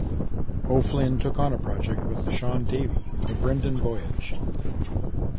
O'Flynn took on a project with Shaun Davey, "The Brendan Voyage".